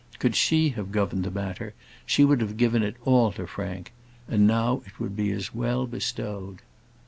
Could she have governed the matter, she would have given it all to Frank; and now it would be as well bestowed.